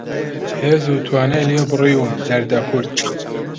هێز و توانای لێ بڕیوم دەردە کورد